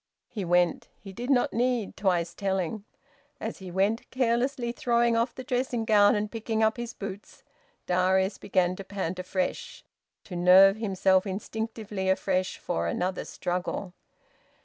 He went. He did not need twice telling. As he went, carelessly throwing off the dressing gown and picking up his boots, Darius began to pant afresh, to nerve himself instinctively afresh for another struggle.